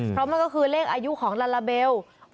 เพราะมันก็คือเลขอายุของลาลาเบล